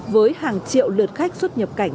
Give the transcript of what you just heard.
với hàng triệu lượt khách xuất nhập cảnh